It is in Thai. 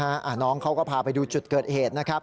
น้องเขาก็พาไปดูจุดเกิดเหตุนะครับ